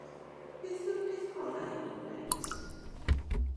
Beth yw'r peth gorau i mi wneud?